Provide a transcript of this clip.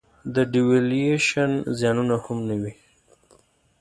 د devaluation زیانونه هم نه وي.